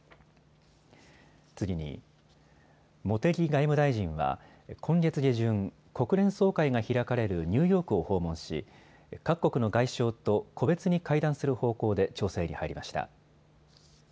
次に茂木外務大臣は今月下旬、国連総会が開かれるニューヨークを訪問し各国の外相と個別に会談する方向で調整に入りました。